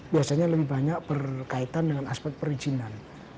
biasanya lebih banyak berkaitan dengan aspek perizinan